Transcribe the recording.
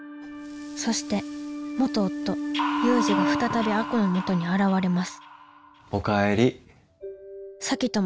そして元夫・祐二が再び亜子のもとに現れますおかえり。